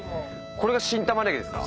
これが新玉ねぎですか？